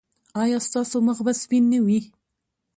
ایا ستاسو مخ به سپین نه وي؟